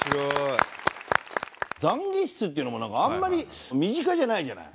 「懺悔室」っていうのもなんかあんまり身近じゃないじゃない。